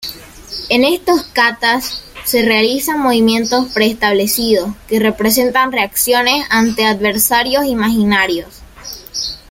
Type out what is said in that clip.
En estos "katas" se realizan movimientos preestablecidos que representan reacciones ante adversarios imaginarios.